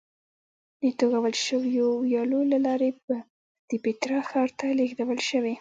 د توږل شویو ویالو له لارې به د پیترا ښار ته لېږدول شوې.